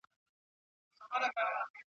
په هینداره کي دي وینم کله ته یې کله زه سم `